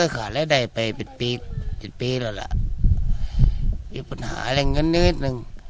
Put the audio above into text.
ค่ะและได้ไปปิดปีทแล้วละมีปัญหาอะไรอย่างงั้นแค่นี้หนึ่ง